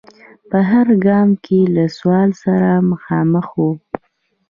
په هر ګام کې له سوال سره مخامخ و.